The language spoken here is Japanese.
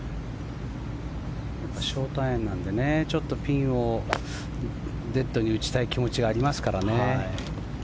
ショートアイアンなのでピンをデッドに打ちたい気持ちはありますからね。